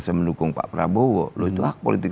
saya mendukung pak prabowo loh itu hak politik